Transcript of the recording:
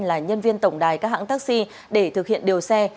là nhân viên tổng đài các hãng taxi để thực hiện điều xe